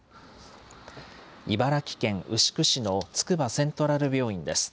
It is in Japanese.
茨城県牛久市のつくばセントラル病院です。